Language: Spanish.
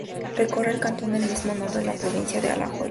Recorre el cantón del mismo nombre en la provincia de Alajuela.